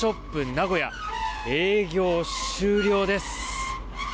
名古屋営業終了です。